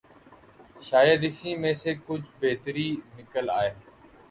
شاید اسی میں سے کچھ بہتری نکل آئے۔